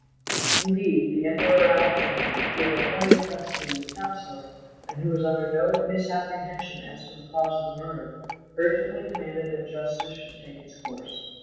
Indeed, the Emperor Alexander, who had appointed Kotzebue his councillor, and who was under no misapprehension as to the cause of the murder, urgently demanded that justice should take its course.